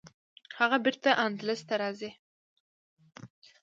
هغه بیرته اندلس ته راځي.